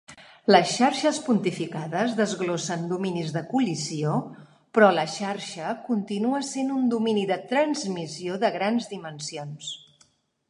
Les xarxes pontificades desglossen dominis de col·lisió, però la xarxa continua sent un domini de transmissió de grans dimensions.